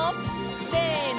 せの！